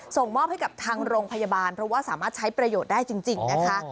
ส่งมอบให้กับทางโรงพยาบาลเพราะว่าสามารถใช้ประโยชน์ได้จริงนะคะ